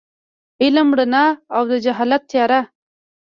علم رڼا ده او جهالت تیاره.